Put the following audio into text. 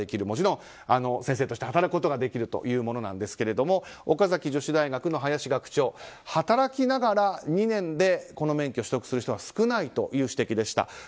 もちろん先生として働くことができるというものなんですけど岡崎女子大学の林学長働きながら２年でこの免許を取得する方は少ないという指摘でした。